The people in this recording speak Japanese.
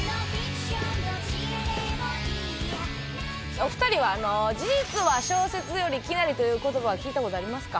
お二人は「事実は小説より奇なり」という言葉は聞いた事ありますか？